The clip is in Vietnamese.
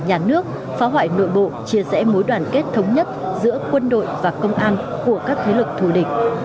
nhà nước phá hoại nội bộ chia rẽ mối đoàn kết thống nhất giữa quân đội và công an của các thế lực thù địch